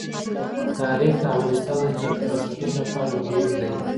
تاریخ د افغانستان د چاپیریال ساتنې لپاره مهم دي.